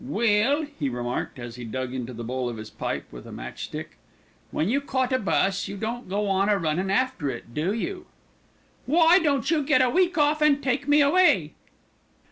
"Well," he remarked, as he dug into the bowl of his pipe with a match stick, "when you caught a bus, you don't go on a runnin' after it, do you?" "Why don't you get a week off and take me away?"